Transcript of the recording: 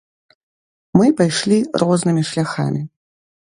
Мы пайшлі рознымі шляхамі.